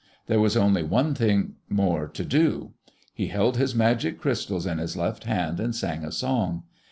There was only one thing more to do. He held his magic crystals in his left hand and sang a song.